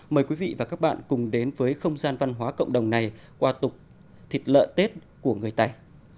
mời quý vị và các bạn cùng đến với không gian văn hóa cộng đồng này qua tục thịt lợn tết của người tây